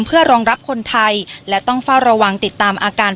เพื่อรองรับคนไทยและต้องเฝ้าระวังติดตามอาการ